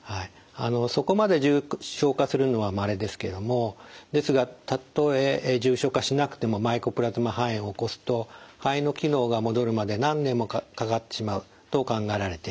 そこまで重症化するのはまれですけどもですがたとえ重症化しなくてもマイコプラズマ肺炎を起こすと肺の機能が戻るまで何年もかかってしまうと考えられています。